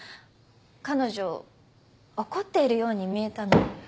彼女怒っているように見えたので。